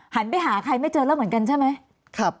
ไปหาใครไม่เจอแล้วเหมือนกันใช่ไหม